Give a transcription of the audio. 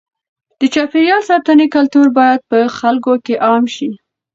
د چاپېریال ساتنې کلتور باید په خلکو کې عام شي.